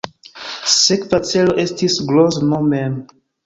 Sekva celo estis Grozno mem.